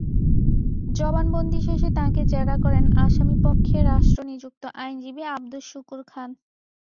জবানবন্দি শেষে তাঁকে জেরা করেন আসামিপক্ষে রাষ্ট্রনিযুক্ত আইনজীবী আবদুস শুকুর খান।